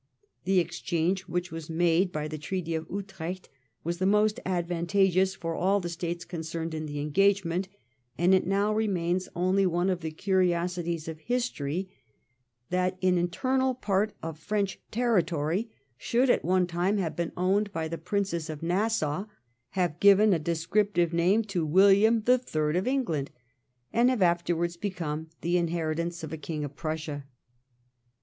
The exchange which was made by the Treaty of Utrecht was the most advantageous for all the States concerned in the engagement, and it now re mains only one of the curiosities of history that an 134 THE REIGN OF QUEEN ANNE. ch. xxvii. internal part of French territory should at one time have been owned by the princes of Nassau, have given a descriptive name to William the Third of England, and have afterwards become the inheritance of a king of Prussia.